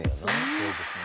そうですね。